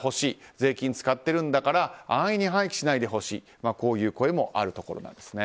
税金使ってるんだから安易に廃棄しないでほしいこういう声もあるところです。